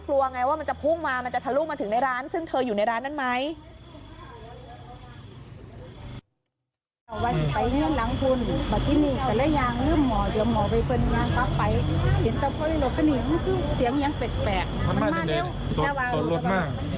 กลัวไงว่ามันจะพุ่งมามันจะทะลุมาถึงในร้านซึ่งเธออยู่ในร้านนั้นไหม